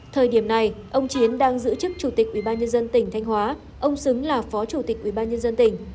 thời điểm này ông chiến đang giữ chức chủ tịch ubnd tỉnh thanh hóa ông xứng là phó chủ tịch ubnd tỉnh